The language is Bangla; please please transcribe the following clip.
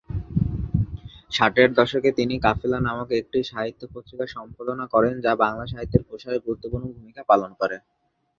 ষাটের দশকে তিনি ‘কাফেলা’ নামক একটি সাহিত্য পত্রিকা সম্পাদনা করেন যা বাংলা সাহিত্যের প্রসারে গুরুত্বপূর্ণ ভূমিকা পালন করে।